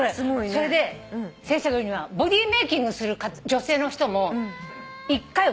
それで先生が言うにはボディーメイキングする女性の人も一回わざと太るんだって。